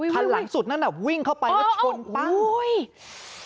คันหลังสุดนั่นน่ะวิ่งเข้าไปแล้วชนปั้ง